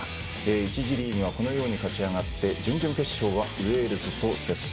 １次リーグはこのように勝ち上がって準々決勝はウェールズと接戦。